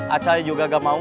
acay juga gak mau